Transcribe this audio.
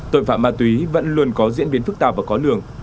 tội phạm ma túy vẫn luôn có diễn biến phức tạp và khó lường